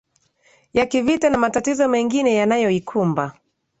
ya kivita na matatizo mengine yanaoikumba